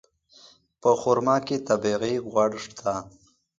په خرما کې طبیعي غوړ شته.